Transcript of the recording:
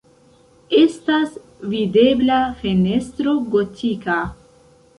Estas videbla fenestro gotika.